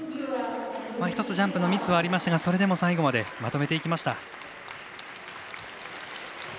１つジャンプのミスがありましたが、それでも最後までまとめていきました。